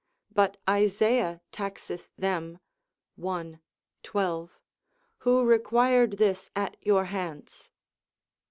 but Isaiah taxeth them, i. 12, who required this at your hands?